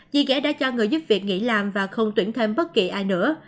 dì ghẻ đã cho người giúp việc nghỉ làm và không tuyển thêm bất kỳ ai nữa